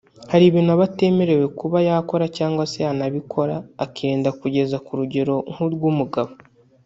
hari ibintu aba atemerewe kuba yakora cyangwa se yanabikora akirinda kugeza ku rugero nk’urw’umugabo